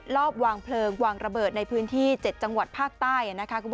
รอบวางเพลิงวางระเบิดในพื้นที่๗จังหวัดภาคใต้